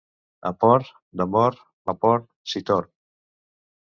A port / de mort / me port / si tort...